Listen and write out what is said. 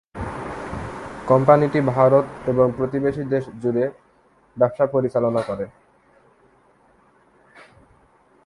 কোম্পানিটি ভারত এবং প্রতিবেশী দেশ জুড়ে ব্যবসা পরিচালনা করে।